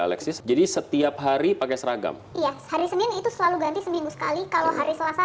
alexis jadi setiap hari pakai seragam iya hari senin itu selalu ganti seminggu sekali kalau hari selasa